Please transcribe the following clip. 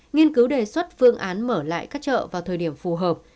nghiên cứu đề xuất phương án mở lại các chợ vào thời điểm phù hợp